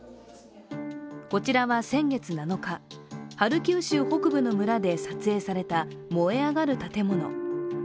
こちらは先月７日、ハルキウ州北部の村で撮影された燃え上がる建物。